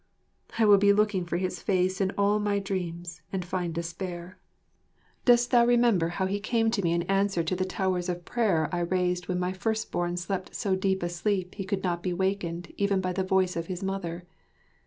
I will be looking for his face in all my dreams and find despair. ....... Dost thou remember how he came to me in answer to the Towers of Prayer I raised when my first born slept so deep a sleep he could not be wakened even by the voice of his mother?